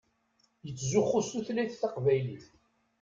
Yettzuxxu s tutlayt taqbaylit.